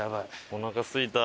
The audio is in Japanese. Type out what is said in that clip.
おなかすいた。